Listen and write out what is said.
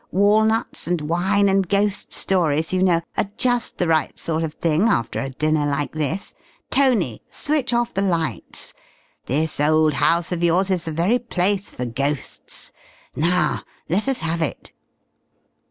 Walnuts and wine and ghost stories, you know, are just the right sort of thing after a dinner like this. Tony, switch off the lights. This old house of yours is the very place for ghosts. Now let us have it."